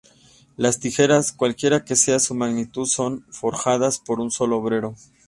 Las tijeras, cualquiera que sea su magnitud son forjadas por un solo obrero.